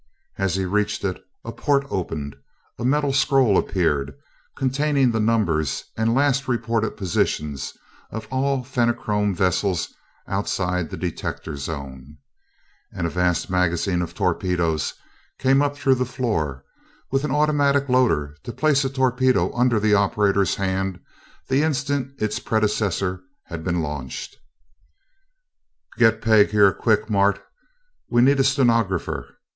As he reached it, a port opened a metal scroll appeared, containing the numbers and last reported positions of all Fenachrone vessels outside the detector zone, and a vast magazine of torpedoes came up through the floor, with an automatic loader to place a torpedo under the operator's hand the instant its predecessor had been launched. "Get Peg here quick, Mart we need a stenographer.